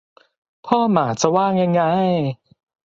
พ่อหมาจะว่ายังไง